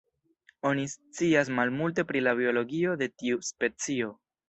Oni scias malmulte pri la biologio de tiu specio.